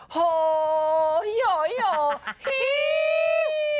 ฮอยโยฮิ